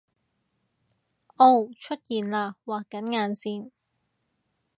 噢出現喇畫緊眼線！